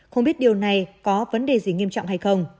không biết điều này có vấn đề gì nghiêm trọng hay không